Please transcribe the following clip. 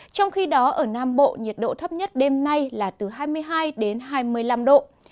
trong khi đó ở nam bộ nhiệt độ thấp nhất đêm nay là từ hai mươi hai đến hai mươi năm độ